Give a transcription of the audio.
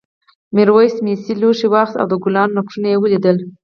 میرويس مسي لوښی واخیست او د ګلانو نقشونه ولیدل.